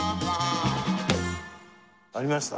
ありました？